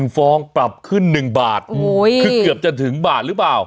ฟองปรับขึ้น๑บาทคือเกือบจะถึงบาทหรือเปล่า